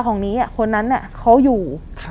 คนนั้นเขาอยู่